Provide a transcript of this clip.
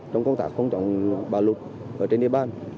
trong công tác không chọn bà lục ở trên địa bàn